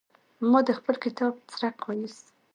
ما د خپل کتاب څرک ويوست.